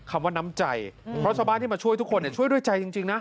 คำว่าน้ำใจเพราะชาวบ้านที่มาช่วยทุกคนช่วยด้วยใจจริงนะ